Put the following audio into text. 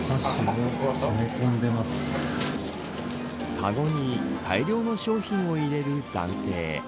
かごに大量の商品を入れる男性。